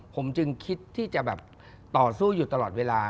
ผมจึงคิดที่จะแบบต่อสู้อยู่ตลอดเวลา